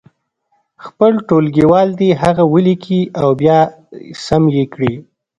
خپل ټولګیوال دې هغه ولیکي او بیا سم یې کړي.